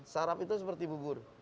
saraf itu seperti bubur